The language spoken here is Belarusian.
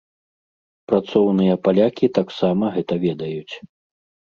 Працоўныя палякі таксама гэта ведаюць.